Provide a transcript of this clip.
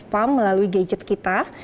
spam melalui gadget kita